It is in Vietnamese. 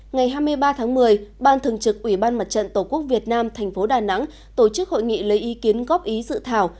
ngày hai mươi ba tháng một mươi ban thường trực ủy ban mặt trận tổ quốc việt nam thành phố đà nẵng tổ chức hội nghị lấy ý kiến góp ý dự thảo